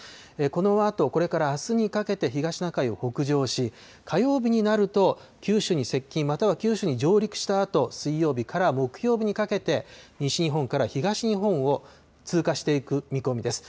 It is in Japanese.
このあと、これからあすにかけて東シナ海を北上し、火曜日になると、九州に接近、または九州に上陸したあと、水曜日から木曜日にかけて、西日本から東日本を通過していく見込みです。